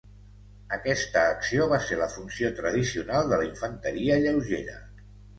Aquesta acció va ser la funció tradicional de la infanteria lleugera.